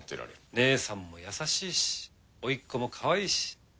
姉さんも優しいし甥っ子もかわいいし。